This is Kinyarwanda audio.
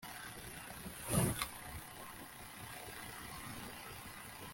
uba udateze amarengero